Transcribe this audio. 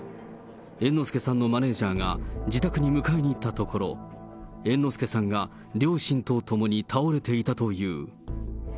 猿之助さんのマネージャーが自宅に迎えに行ったところ、猿之助さんが両親と共に倒れていたという。